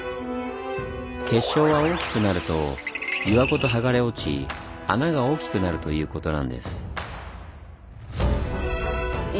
結晶は大きくなると岩ごと剥がれ落ち穴が大きくなるということなんです。